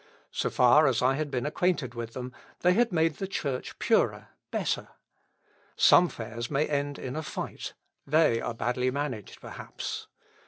So far as I had been acquainted with them, they had made the Church purer, better. Some fairs may end in a fight; they are badly managed, perhaps.